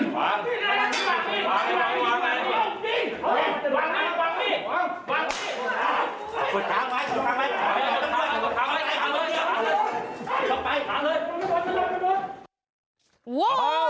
ข้างไปขายหนึ่ง